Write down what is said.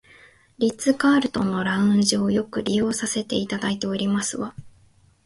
リッツカールトンのラウンジをよく利用させていただいておりますわ